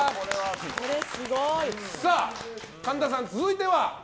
神田さん、続いては。